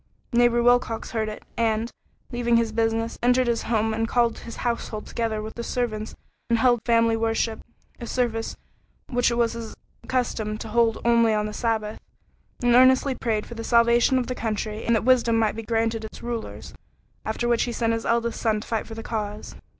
Neighbor Wilcox heard it, and, leaving his business, entered his home and called his household together with the servants and held family worship a service which it was his custom to hold only on the Sabbath and earnestly prayed for the salvation of the country, and that wisdom might be granted its rulers, after which he sent his oldest son to fight for the cause.